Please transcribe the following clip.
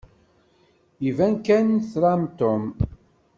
Iban kan tram Tom.